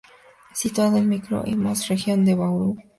Situado en Micro y Mesorregión de Bauru.